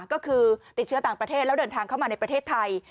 ก็คือติดเชื้อต่างประเทศแล้วเดินทางเข้ามาในประเทศไทย